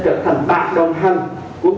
góp phần nâng cao năng lực